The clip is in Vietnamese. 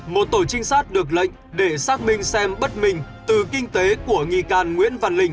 một tổ trinh sát được lệnh để xác minh xem bất minh từ kinh tế của nghi can nguyễn văn linh